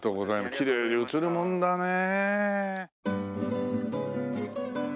きれいに写るもんだねえ。